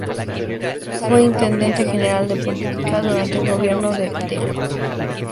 Fue Intendente General de Policía, durante el gobierno del Dr.